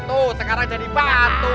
tuh sekarang jadi batu